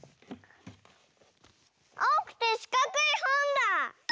あおくてしかくいほんだ！